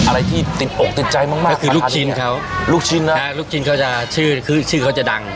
อะไรที่ติดอกติดใจมากคือลูกชิ้นเขาลูกชิ้นเขาชื่อเขาจะดัง